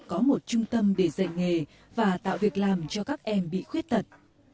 có một trung tâm để dạy nghề và tạo việc làm cho các em bị khuyết tật